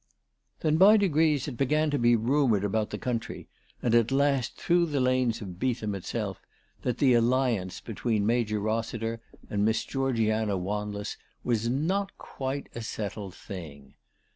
THEN by degrees it began to be rumoured about the country, and at last through the lanes of Beetham itself, that the alliance between Major Eossiter[and ALICE DUGDALE. 401 Miss Georgiana "Wanless was not quite a settled thing.